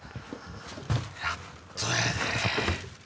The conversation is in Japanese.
やっとやで。